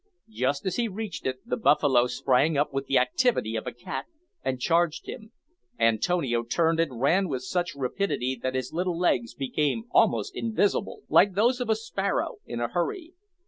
Just as he reached it the buffalo sprang up with the activity of a cat, and charged him. Antonio turned and ran with such rapidity that his little legs became almost invisible, like those of a sparrow in a hurry.